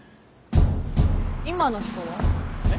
今の人は？え？